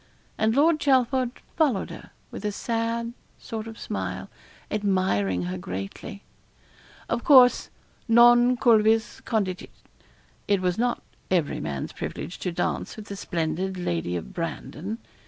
And Lord Chelford followed her, with a sad sort of smile, admiring her greatly. Of course, non cuivis contigit, it was not every man's privilege to dance with the splendid Lady of Brandon.